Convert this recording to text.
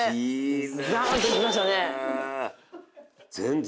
ザンッといきましたね。